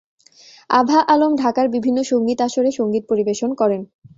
আভা আলম ঢাকার বিভিন্ন সঙ্গীত-আসরে সঙ্গীত পরিবেশন করেন।